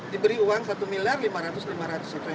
diberi uang satu miliar lima ratus lima ratus itu yang pertama